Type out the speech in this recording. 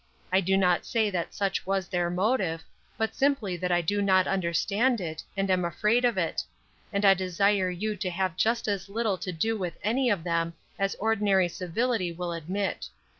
I do not say that such was their motive, but simply that I do not understand it, and am afraid of it; and I desire you to have just as little to do with any of them as ordinary civility will admit.